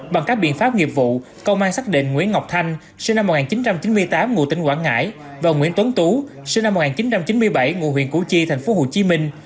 bằng các biện pháp nghiệp vụ công an xác định nguyễn ngọc thanh sinh năm một nghìn chín trăm chín mươi tám ngụ tỉnh quảng ngãi và nguyễn tuấn tú sinh năm một nghìn chín trăm chín mươi bảy ngụ huyện củ chi thành phố hồ chí minh